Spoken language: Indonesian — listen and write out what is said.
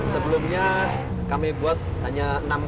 sebelumnya kami buat hanya